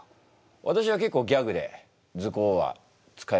私は結構ギャグで「ズコー」は使いますね。